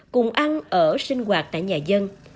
cùng ăn ở sinh hoạt tại nhà dân